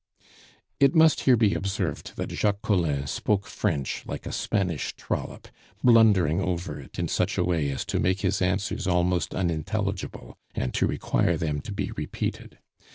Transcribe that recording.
It must here be observed that Jacques Collin spoke French like a Spanish trollop, blundering over it in such a way as to make his answers almost unintelligible, and to require them to be repeated.